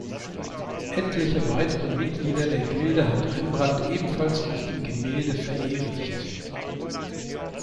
Etliche weitere Mitglieder der Gilde hat Rembrandt ebenfalls auf dem Gemälde verewigt.